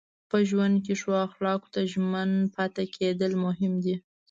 په ژوند کې ښو اخلاقو ته ژمن پاتې کېدل مهم دي.